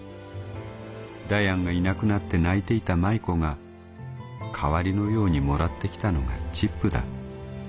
ダヤンがいなくなって泣いていた舞子が代わりのようにもらってきたのがチップだ。